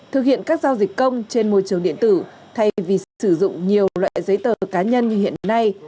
thực hiện các giao dịch công trên môi trường điện tử thay vì sử dụng nhiều loại giấy tờ cá nhân như hiện nay